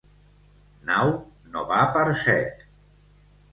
Nau no va per sec.